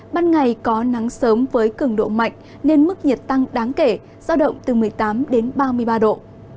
ban ngày có nắng sớm với cường độ mạnh nên mức nhiệt tăng đáng kể giao động từ một mươi tám đến ba mươi ba độ